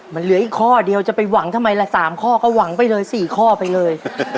มันเหลืออีกข้อเดียวจะไปหวังทำไมละ๓ข้อก็หวังไปเลย๔ข้อไปเลย